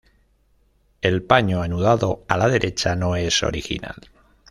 El paño anudado, a la derecha, no es original.